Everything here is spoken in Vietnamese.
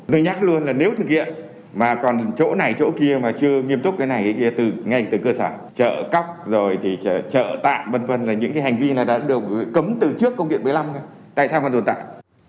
tôi nhắc luôn là nếu thực hiện mà còn chỗ này chỗ kia mà chưa nghiêm túc cái này kia ngay từ cơ sở chợ cóc rồi thì chợ tạm v v là những cái hành vi này đã được cấm từ trước công điện một mươi năm tại sao còn tồn tại